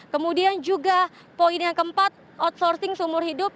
kemudian juga poin yang keempat outsourcing seumur hidup